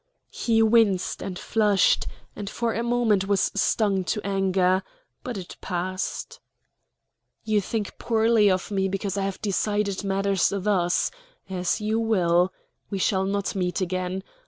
He winced and flushed, and for a moment was stung to anger; but it passed. "You think poorly of me because I have decided matters thus. As you will. We shall not meet again.